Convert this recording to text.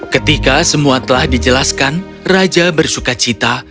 ketika semua telah dijelaskan raja bersuka cita